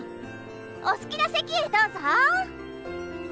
お好きな席へどうぞ。